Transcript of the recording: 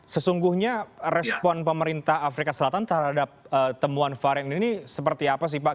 sesungguhnya respon pemerintah afrika selatan terhadap temuan varian ini seperti apa sih pak